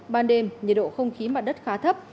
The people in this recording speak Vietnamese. ban đêm nhiệt độ không khí mặt đất khá thấp